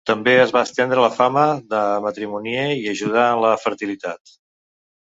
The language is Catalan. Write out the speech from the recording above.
També es va estendre la fama de matrimonier i d'ajudar en la fertilitat.